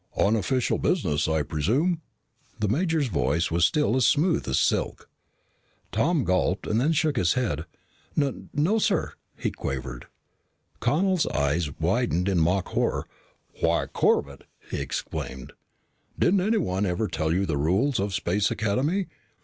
"On official business, I presume?" The major's voice was still as smooth as silk. Tom gulped and then shook his head. "N no, sir," he quavered. Connel's eyes widened in mock horror. "Why, Corbett," he exclaimed, "didn't anyone ever tell you the rules of Space Academy?